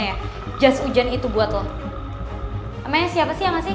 emangnya siapa sih yang masih